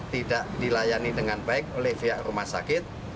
tidak dilayani dengan baik oleh pihak rumah sakit